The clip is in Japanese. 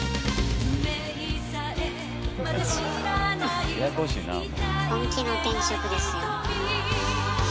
「本気の転職」ですよ。